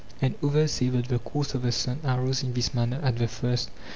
And others say that the course of the sun. arose in this manner at the first.